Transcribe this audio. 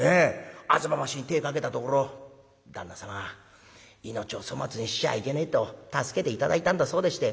吾妻橋に手ぇかけたところ旦那様命を粗末にしちゃいけねえと助けて頂いたんだそうでして。